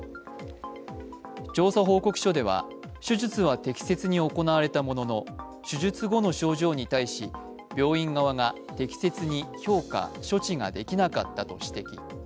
調査報告書では手術は適切に行われたものの手術後の症状に対し、病院側が適切に評価、処置ができなかったと指摘。